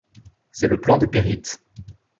C'est le plan de Péryte.